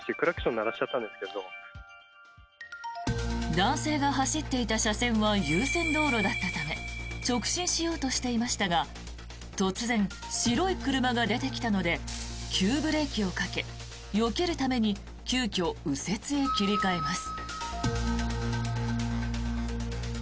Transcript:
男性が走っていた車線は優先道路だったため直進しようとしていましたが突然、白い車が出てきたので急ブレーキをかけ、よけるために急きょ、右折へ切り替えます。